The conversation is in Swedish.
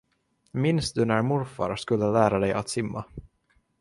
Minns du när morfar skulle lära dig att simma?